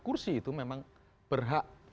kursi itu memang berhak